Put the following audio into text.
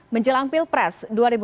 menjelang pilpres dua ribu dua puluh empat